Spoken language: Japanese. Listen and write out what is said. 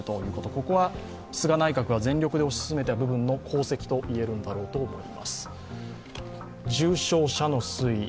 ここは菅内閣が全力で推し進めた部分の功績といえると思います。